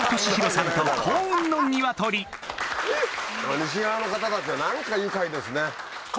西側の方たちは何か愉快ですね。